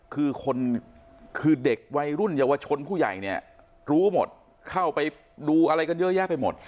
คือคนคือเด็กวัยรุ่นเยาวชนผู้ใหญ่เนี่ยรู้หมดเข้าไปดูอะไรกันเยอะแยะไปหมด